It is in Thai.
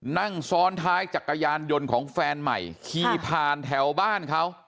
นั่งซ้อนท้ายจักรยานยนต์ของแฟนใหม่ขี่ผ่านแถวบ้านเขา